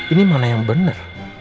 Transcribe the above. ini mana yang bener